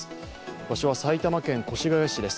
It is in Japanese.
場所は埼玉県越谷市です。